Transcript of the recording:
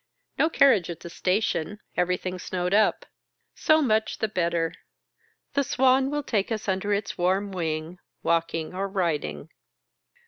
No carriage at the station, every thing snowed up. So much the better. The Swan will take us under its warm wing, walking or riding.